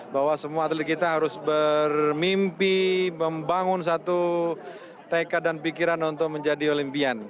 bahwa semua atlet kita harus bermimpi membangun satu tekad dan pikiran untuk menjadi olimpian